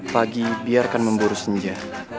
pagi biarkan memburu senja